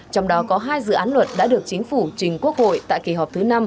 trong đó có hai dự án luật đã được chính phủ trình quốc hội tại kỳ họp thứ năm